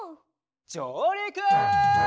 じょうりく！